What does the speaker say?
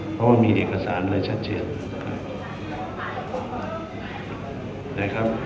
เพราะว่ามีเอกสารเลยชัดเจน